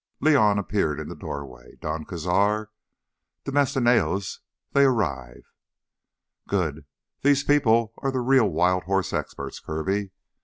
León appeared in the doorway. "Don Cazar, the mesteneoes—they arrive." "Good. These people are the real wild horse experts, Kirby.